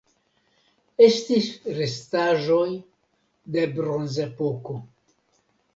Estis restaĵoj de Bronzepoko.